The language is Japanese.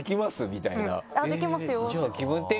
みたいな。